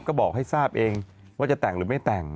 ก็บอกให้ทราบเองว่าจะแต่งหรือไม่แต่ง